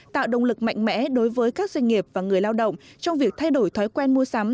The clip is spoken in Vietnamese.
tạo động lực mạnh mẽ đối với các doanh nghiệp và người lao động trong việc thay đổi thói quen mua sắm